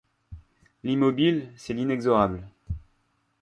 L’immobile, c’est l’inexorable.